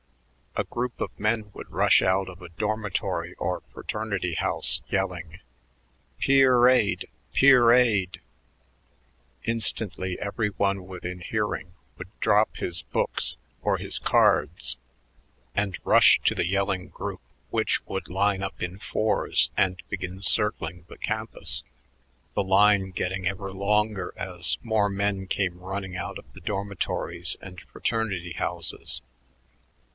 A group of men would rush out of a dormitory or fraternity house yelling, "Peerade, peerade!" Instantly every one within hearing would drop his books or his cards and rush to the yelling group, which would line up in fours and begin circling the campus, the line ever getting longer as more men came running out of the dormitories and fraternity houses.